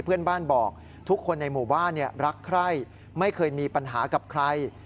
เพื่อนบ้านบอกทุกคนในหมู่บ้านรักใคร่ไม่เคยมีปัญหากับใคร